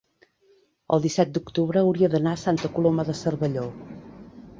el disset d'octubre hauria d'anar a Santa Coloma de Cervelló.